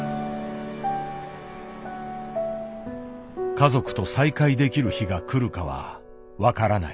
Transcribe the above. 家族と再会できる日が来るかは分からない。